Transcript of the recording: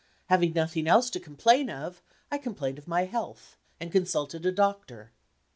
Having nothing else to complain of, I complained of my health, and consulted a doctor.